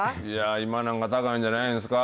今なんか、高いんじゃないですか。